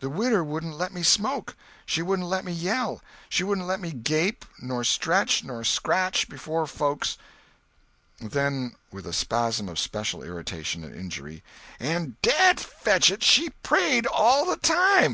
The widder wouldn't let me smoke; she wouldn't let me yell, she wouldn't let me gape, nor stretch, nor scratch, before folks—" [Then with a spasm of special irritation and injury]—"And dad fetch it, she prayed all the time!